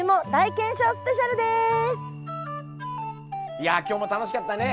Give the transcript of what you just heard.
いや今日も楽しかったね。